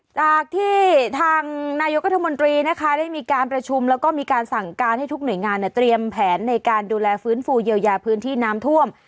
จากที่ทางนายกรัฐมนตรีนะคะได้มีการประชุมแล้วก็มีการสั่งการให้ทุกหน่วยงานเตรียมแผนในการดูแลฟื้นฟูเยียวยาพื้นที่น้ำท่วม